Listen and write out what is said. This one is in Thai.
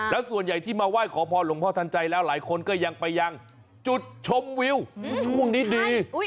แล้วส่วนใหญ่ที่มาไหว้ขอพรหลวงพ่อทันใจแล้วหลายคนก็ยังไปยังจุดชมวิวช่วงนี้ดี